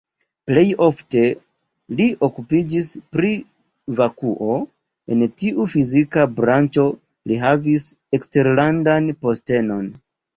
Plej ofte li okupiĝis pri vakuo, en tiu fizika branĉo li havis eksterlandan postenon.